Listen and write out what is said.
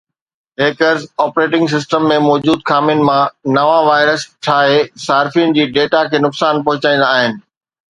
hackers operating system ۾ موجود خامين مان نوان وائرس ٺاهي صارفين جي ڊيٽا کي نقصان پهچائيندا آهن